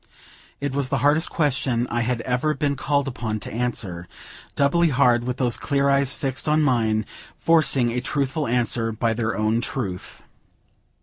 It was the hardest question I had ever been called upon to answer; doubly hard with those clear eyes fixed on mine, forcing a truthful answer by their own truth.